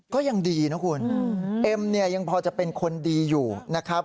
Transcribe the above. ก็ยังดีนะคุณเอ็มเนี่ยยังพอจะเป็นคนดีอยู่นะครับ